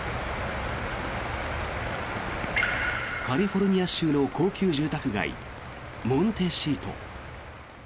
カリフォルニア州の高級住宅街モンテシート。